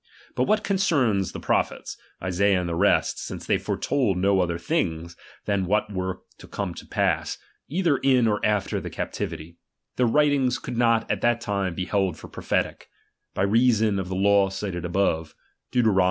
But what concerns the prophets, Isaiah and the rest, t since they foretold no other things than what were to come to pass, either in or after the captivity, their writings could not at that time be held for prophetic ; by reason of the law cited above (Deut.